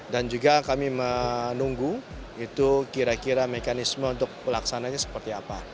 dan juga kami menunggu itu kira kira mekanisme untuk pelaksananya seperti apa